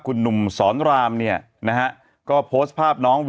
คุณหนุ่มสรรรามเนี่ยนะครับ